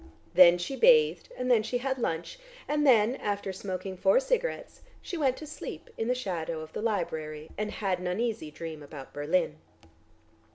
Then she bathed and then she had lunch, and then, after smoking four cigarettes, she went to sleep in the shadow of the library and had an uneasy dream about Berlin.